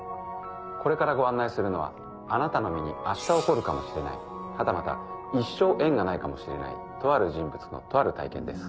これからご案内するのはあなたの身に明日起こるかもしれないはたまた一生縁がないかもしれないとある人物のとある体験です。